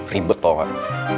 ribet tau gak